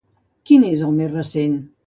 Quin és el més recent?